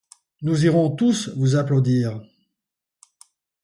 Nous irons tous vous applaudir.